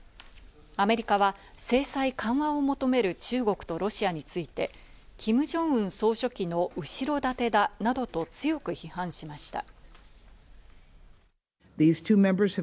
アメリカは制裁緩和を求める中国とロシアについて、キム・ジョンウン総書記の後ろ盾だなどと強く批判しました。